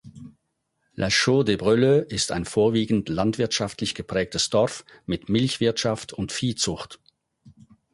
La Chaux-des-Breuleux ist ein vorwiegend landwirtschaftlich geprägtes Dorf mit Milchwirtschaft und Viehzucht.